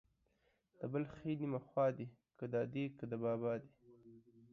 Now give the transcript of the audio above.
د بل ښې نيمه خوا دي ، که د ادې که د بابا دي.